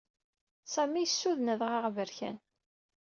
Sami yessuden Adɣaɣ Aberkan.